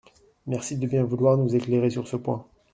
Merci de bien vouloir nous éclairer sur ce point.